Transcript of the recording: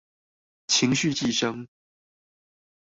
情緒寄生